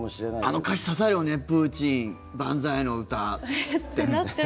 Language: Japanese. あの歌詞、刺さるよねプーチン万歳の歌って。